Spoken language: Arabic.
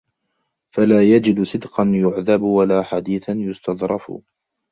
فَلَا يَجِدُ صِدْقًا يُعْذَبُ وَلَا حَدِيثًا يُسْتَظْرَفُ